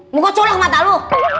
mau gua colok mata lu